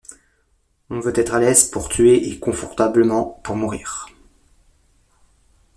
On veut être à l’aise pour tuer et confortablement pour mourir.